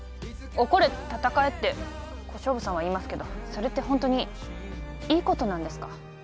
怒れ戦えって小勝負さんは言いますけどそれってホントにいいことなんですか？